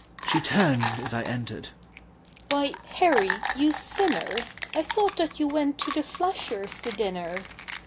She turned as I entered, "Why, Harry, you sinner, I thought that you went to the Flashers' to dinner!"